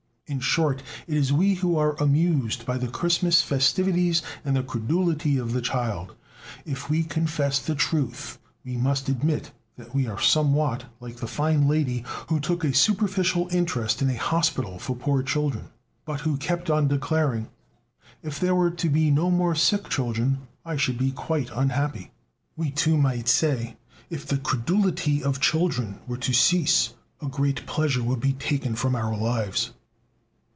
In short, it is we who are amused by the Christmas festivities and the credulity of the child. If we confess the truth, we must admit that we are somewhat like the fine lady who took a superficial interest in a hospital for poor children, but who kept on declaring: "If there were to be no more sick children, I should be quite unhappy." We, too, might say: "If the credulity of children were to cease, a great pleasure would be taken from our lives."